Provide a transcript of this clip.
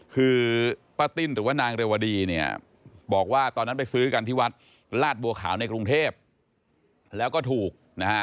คือป้าติ้นหรือว่านางเรวดีเนี่ยบอกว่าตอนนั้นไปซื้อกันที่วัดลาดบัวขาวในกรุงเทพแล้วก็ถูกนะฮะ